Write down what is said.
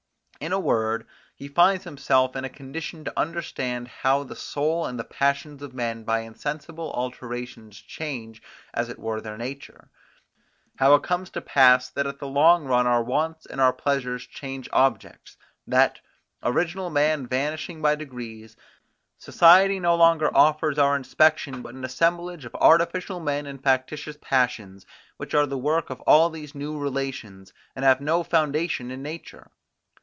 In a word, he will find himself in a condition to understand how the soul and the passions of men by insensible alterations change as it were their nature; how it comes to pass, that at the long run our wants and our pleasures change objects; that, original man vanishing by degrees, society no longer offers to our inspection but an assemblage of artificial men and factitious passions, which are the work of all these new relations, and have no foundation in nature.